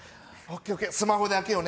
スマホで開けよう。